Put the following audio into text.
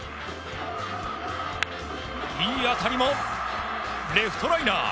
いい当たりもレフトライナー。